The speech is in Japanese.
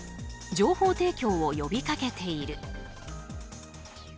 情報提供を呼びかけている。